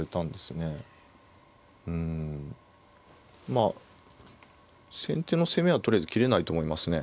まあ先手の攻めはとりあえず切れないと思いますね。